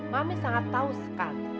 mami sangat tahu sekarang